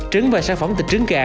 trứng và sản phẩm tịch trứng gà